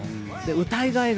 歌いがいが